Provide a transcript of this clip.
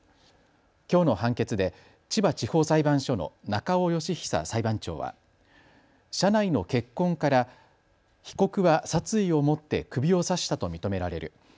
きょうの判決で千葉地方裁判所の中尾佳久裁判長は車内の血痕から被告は殺意を持って首を刺したと認められる。